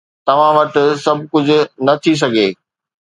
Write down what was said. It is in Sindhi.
توهان وٽ سڀ ڪجهه نه ٿي سگهي.